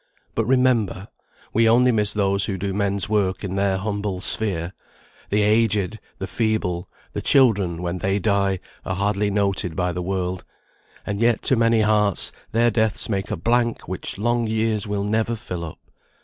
But remember! we only miss those who do men's work in their humble sphere; the aged, the feeble, the children, when they die, are hardly noted by the world; and yet to many hearts, their deaths make a blank which long years will never fill up.